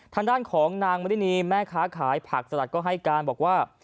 ทางด้านของนางมรินีแม่ค้าขายผักสลัดก็ให้การบอกว่า